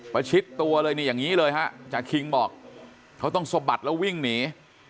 ประชิดตัวเลยนี่อย่างนี้เลยฮะจากคิงบอกเขาต้องสะบัดแล้ววิ่งหนี